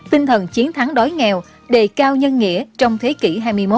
tinh thần chiến thắng đói nghèo đề cao nhân nghĩa trong thế kỷ hai mươi một